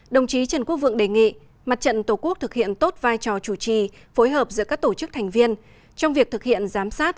đồng chí trần quốc vượng đề nghị mặt trận tổ quốc thực hiện tốt vai trò chủ trì phối hợp giữa các tổ chức thành viên trong việc thực hiện giám sát